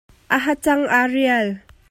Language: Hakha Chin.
A hacang aa rial.